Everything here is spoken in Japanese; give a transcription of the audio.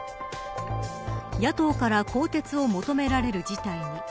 野党から更迭を求められる事態に。